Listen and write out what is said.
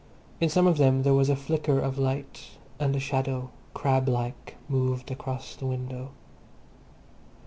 In some of them there was a flicker of light, and a shadow, crab like, moved across the window.